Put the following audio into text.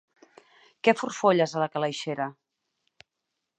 Què forfolles a la calaixera?